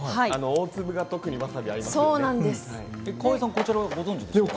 大粒が特にわさび合いますよね。